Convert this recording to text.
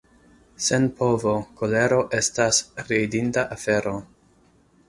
Sen povo kolero estas ridinda afero.